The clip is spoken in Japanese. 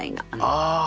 ああ！